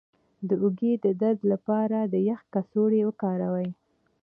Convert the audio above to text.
د اوږې د درد لپاره د یخ کڅوړه وکاروئ